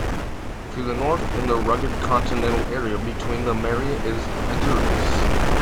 To the north in the rugged continental area between the maria is Isidorus.